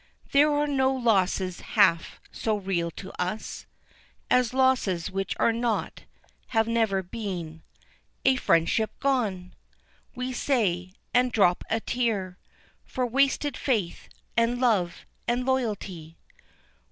There are no losses half so real to us, As losses which are not have never been A friendship gone! we say, and drop a tear For wasted faith, and love, and loyalty.